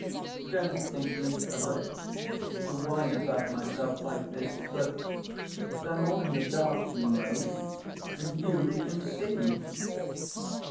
"Don't think me a wretch to whine about myself like this, but—but I'm all in the dark, you know, and you can see."